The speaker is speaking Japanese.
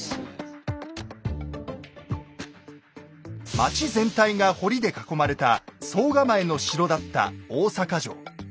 町全体が堀で囲まれた惣構えの城だった大坂城。